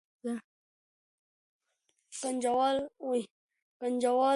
ګنجوالي بېلابېل علتونه لري.